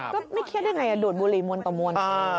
ก็ไม่เครียดได้ไงดูดบุหรี่มวลต่อมวล